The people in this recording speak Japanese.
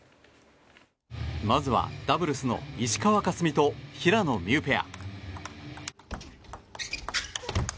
まずはダブルスの石川佳純と平野美宇ペア。